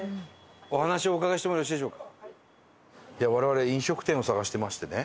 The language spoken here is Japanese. お話をお伺いしてもよろしいでしょうか？